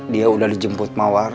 dia udah dijemput mawar